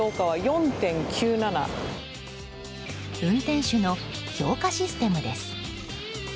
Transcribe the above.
運転手の評価システムです。